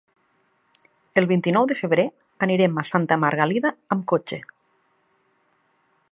El vint-i-nou de febrer anirem a Santa Margalida amb cotxe.